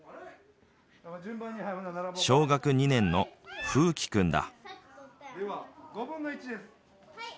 小学２年の楓希君だ。